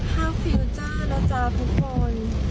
ฝากฟิลเจอร์แล้วจ้ะทุกคน